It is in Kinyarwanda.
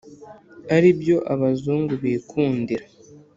aribyo abazungu bikundira !